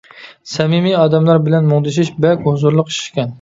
سەمىمىي ئادەملەر بىلەن مۇڭدىشىش بەك ھۇزۇرلۇق ئىشكەن.